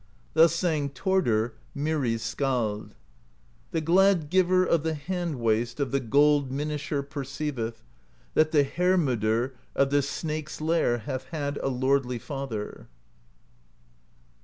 Thus sang Thordr Maeri's Skald: The glad Giver of the Hand Waste Of the Gold Minisher perceiveth That the Hermodr of the Snake's Lair Hath had a lordly father.